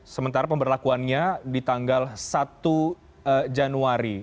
sementara pemberlakuannya di tanggal satu januari